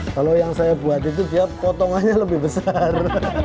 kalau yang saya buat itu dia potongannya lebih besar